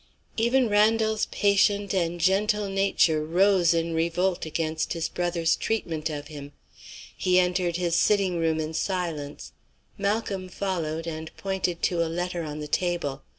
Even Randal's patient and gentle nature rose in revolt against his brother's treatment of him. He entered his sitting room in silence. Malcolm followed, and pointed to a letter on the table.